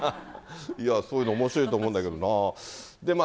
そういうの、おもしろいと思うんだけどな。